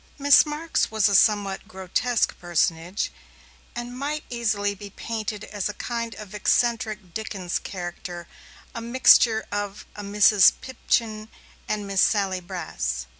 Miss Marks was a somewhat grotesque personage, and might easily be painted as a kind of eccentric Dickens character, a mixture of Mrs. Pipchin and Miss Sally Brass.